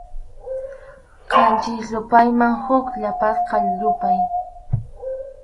Qanchis yupayman huk yapasqa yupay.